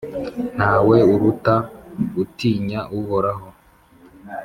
nta we uruta utinya Uhoraho